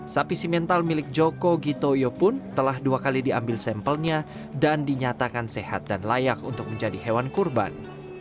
sapi simental milik joko gitoyo pun telah dua kali diambil sampelnya dan dinyatakan sehat dan layak untuk menjadi hewan kurban